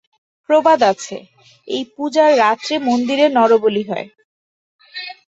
প্রবাদ আছে, এই পূজার রাত্রে মন্দিরে নরবলি হয়।